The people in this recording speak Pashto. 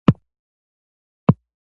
پي ټي ايم د پښتنو نوی امېد دی.